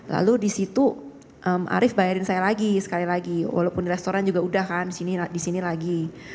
lalu di situ arief bayarin saya lagi sekali lagi walaupun di restoran juga udah kan di sini lagi